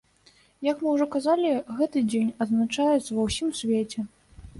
Як мы ўжо казалі, гэты дзень адзначаецца ва ўсім свеце.